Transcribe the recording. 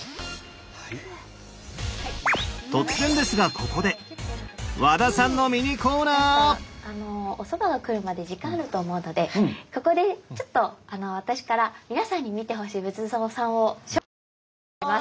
ここでおそばが来るまで時間あると思うのでここでちょっと私から皆さんに見てほしい仏像さんを紹介したいと思います。